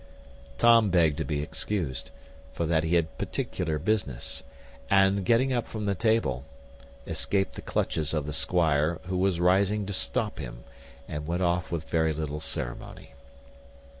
Tom begged to be excused, for that he had particular business; and getting up from table, escaped the clutches of the squire, who was rising to stop him, and went off with very little ceremony.